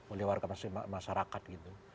oleh warga masyarakat gitu